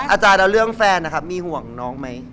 อาจารย์แล้วเรื่องแฟนนะครับมีห่วงน้องไหม